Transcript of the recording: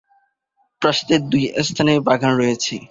প্রাসাদের দুই স্থানে বাগান রয়েছে।